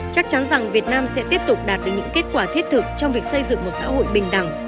chắc chắn rằng việt nam sẽ tiếp tục đạt được những kết quả thiết thực trong việc xây dựng một xã hội bình đẳng